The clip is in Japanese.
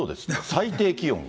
最低気温が。